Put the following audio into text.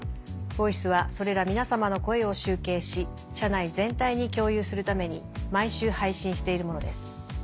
「ＶＯＩＣＥ」はそれら皆様の声を集計し社内全体に共有するために毎週配信しているものです。